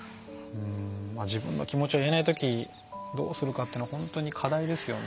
自分の気持ちを言えない時どうするかっていうのは本当に課題ですよね。